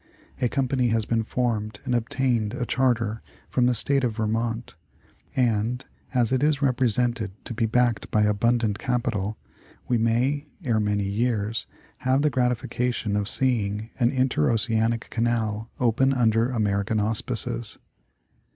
A company has been formed and ob tained a charter from the State of Vermont, and as it is repre sented to be backed by abundant capital, we may, ere many years, have the gratification of seeing an interoceanic canal opened under American auspices.